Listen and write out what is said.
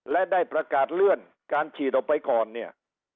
และได้ประกาศเลื่อนการฉีดออกไปก่อนเนี่ย